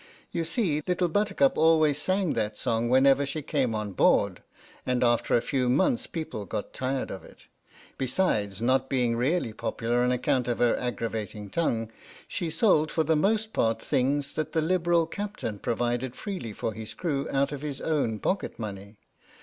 You see, Little Buttercup always sang that song whenever she came on board, and after a few months people got tired of it. Besides not being really popular on account of her aggravating tongue, she sold for the most part things that the liberal Captain provided freely for his crew out of his own pocket money.